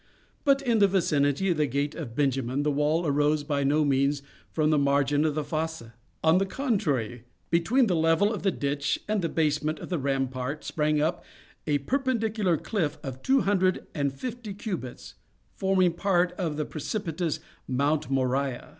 But, in the vicinity of the gate of Benjamin, the wall arose by no means from the margin of the fosse. On the contrary, between the level of the ditch and the basement of the rampart sprang up a perpendicular cliff of two hundred and fifty cubits, forming part of the precipitous Mount Moriah.